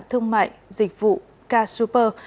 thương mại dịch vụ k super